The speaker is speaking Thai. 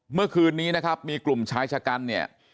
เมื่อคืนนี้นะครับมีกลุ่มชายชะกันเนี่ย